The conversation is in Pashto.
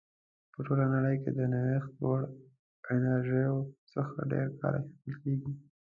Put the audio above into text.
په ټوله نړۍ کې د نوښت وړ انرژیو څخه ډېر کار اخیستل کیږي.